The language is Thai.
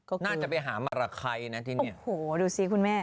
โอ้น่าจะไปหามรคัยนะที่นี่โอ้โหดูสิคุณแม่